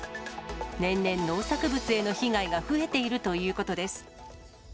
年々農作物への被害が増えているということです。